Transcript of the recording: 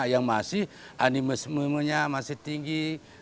yang masih animesmennya masih tinggi